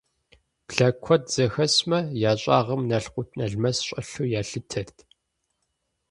Блэ куэд зэхэсмэ, я щӀагъым налкъут-налмэс щӀэлъу ялъытэрт.